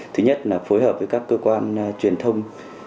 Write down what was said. thứ nhất là phối hợp với các cơ quan truyền thông